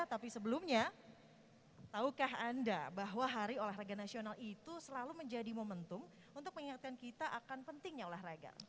tapi sebelumnya tahukah anda bahwa hari olahraga nasional itu selalu menjadi momentum untuk mengingatkan kita akan pentingnya olahraga